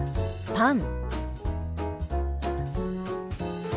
「パン」。